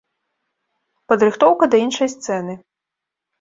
Падрыхтоўка да іншай сцэны.